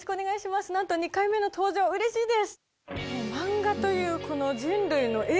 ２回目の登場、うれしいです！